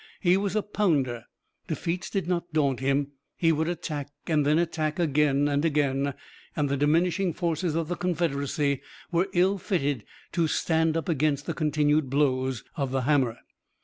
He was a pounder. Defeats did not daunt him. He would attack and then attack again and again, and the diminishing forces of the Confederacy were ill fitted to stand up against the continued blows of the hammer.